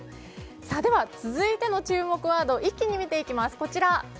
では、続いての注目ワード一気に見ていきます。